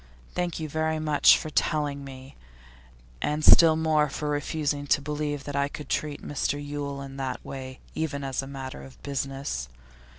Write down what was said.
Thank you very much for telling me, and still more for refusing to believe that I could treat Mr Yule in that way, even as a matter of business.